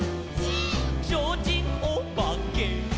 「ちょうちんおばけ」「」